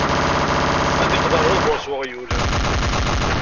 Ad iqḍeɛ lbabuṛ s uɣyul.